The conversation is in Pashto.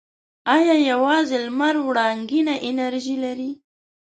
آیا یوازې لمر وړنګینه انرژي لري؟